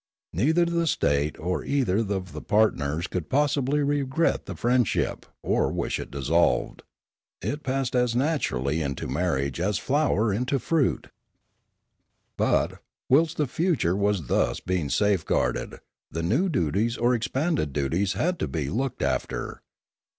Neither the state nor either of the partners could pos sibly regret the friendship, or wish it dissolved. It passed as naturally into marriage as flower into fruit. But, whilst the future was thus being safeguarded, the new duties or expanded duties had to be looked after.